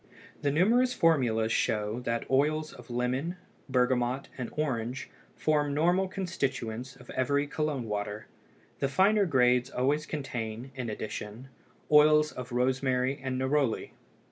The numerous formulas show that oils of lemon, bergamot, and orange form normal constituents of every Cologne water; the finer grades always contain, in addition, oils of rosemary and neroli.